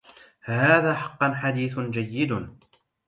هذا حقا حديث جيد